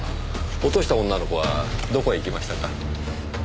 落とした女の子はどこへ行きましたか？